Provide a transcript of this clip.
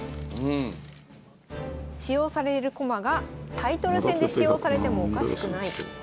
使用される駒がタイトル戦で使用されてもおかしくない。